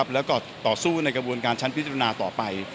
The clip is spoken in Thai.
แล้วก็ต่อสู้ในกระบวนการชั้นพิจารณาต่อไป